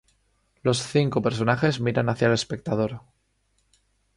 Los cinco personajes miran hacia el espectador.